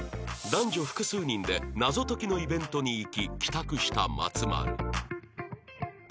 男女複数人で謎解きのイベントに行き帰宅した松丸